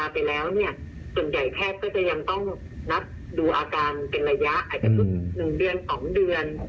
อาจจะพึ่ง๑เดือน๒เดือน